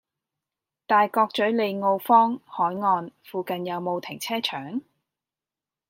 大角嘴利奧坊·凱岸附近有無停車場？